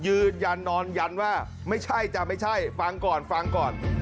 ยืนยันนอนยันว่าไม่ใช่จะไม่ใช่ฟังก่อนฟังก่อน